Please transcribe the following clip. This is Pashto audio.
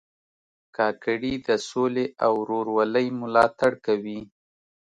کاکړي د سولې او ورورولۍ ملاتړ کوي.